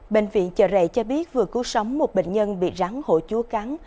bệnh viện chợ rệ cho biết vừa cứu sống một bệnh nhân bị rắn hổ chúa cắn